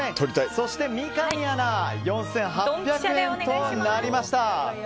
そして三上アナ、４８００円となりました。